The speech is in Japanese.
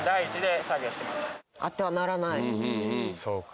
そうか。